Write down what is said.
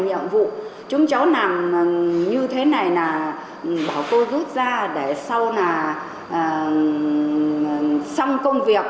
dạng vụ chúng cháu nằm như thế này là bảo cô rút ra để sau là xong công việc